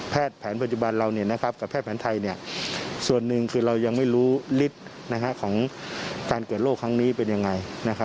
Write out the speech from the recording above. แพทย์แผนปัจจุบันเราเนี่ยนะครับกับแพทย์แผนไทยเนี่ยส่วนหนึ่งคือเรายังไม่รู้ฤทธิ์นะครับของการเกิดโรคครั้งนี้เป็นยังไงนะครับ